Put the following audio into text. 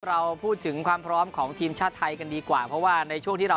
เราพูดถึงความพร้อมของทีมชาติไทยกันดีกว่าเพราะว่าในช่วงที่เรา